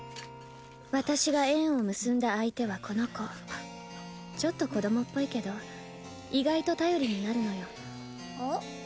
私が縁を結んだ相手はこの子ちょっと子供っぽいけど意外と頼りになるのよあっ？